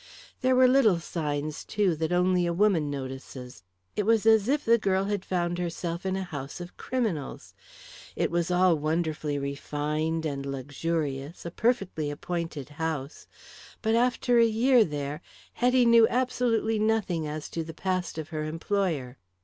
There were little signs, too, that only a woman notices. It was as if the girl had found herself in a house of criminals. It was all wonderfully refined and luxurious, a perfectly appointed house, but after a year there Hetty knew absolutely nothing as to the past of her employer.